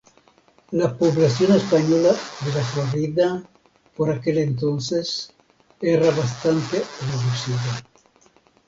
La población española de la Florida por aquel entonces era bastante reducida.